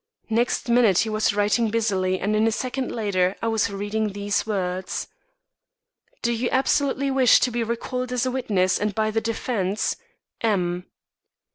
Next minute he was writing busily and in a second later I was reading these words: "Do you absolutely wish to be recalled as a witness, and by the defence? M."